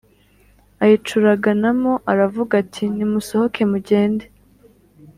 ayicuraganamo aravuga ati Nimusohoke mugende